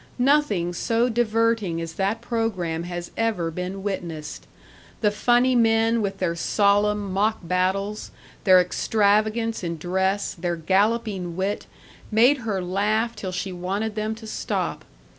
Nothing so diverting as that program has ever been witnessed. The funny men with their solemn mock battles, their extravagance in dress, their galloping wit, made her laugh till she wanted them to stop.